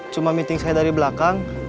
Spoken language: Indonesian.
cuma meeting saya dari belakang